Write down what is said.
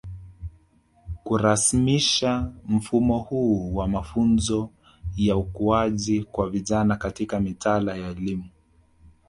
Kurasmisha mfumo huu wa mafunzo ya ukuaji kwa vijana katika mitaala ya elimu